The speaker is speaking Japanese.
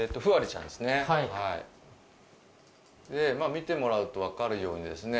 見てもらうとわかるようにですね